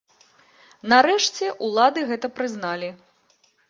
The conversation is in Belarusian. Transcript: Нарэшце, улады гэта прызналі.